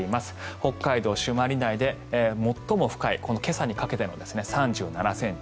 北海道朱鞠内で最も深い今朝にかけて３７ｃｍ。